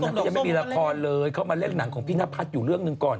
ก็ยังไม่มีละครเลยเขามาเล่นหนังของพี่นพัฒน์อยู่เรื่องหนึ่งก่อน